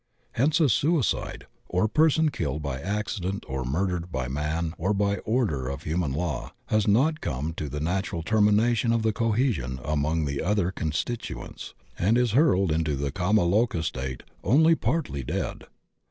Hence a suicide, or person killed by accident or murdered by man or by order of human law, has not come to the natural termination of the cohesion among the other constitu ents, and is hurled into the kama loka state only partly dead.